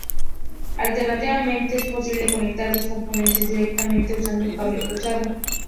Alternativamente, es posible conectar dos componentes directamente usando cable cruzado.